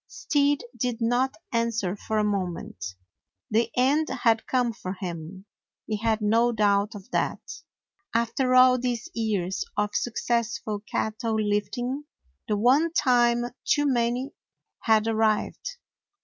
Stead did not answer for a moment. The end had come for him; he had no doubt of that. After all these years of successful cat tle lifting, the one time too many had arrived.